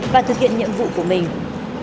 và thực hiện nhiệm vụ của mình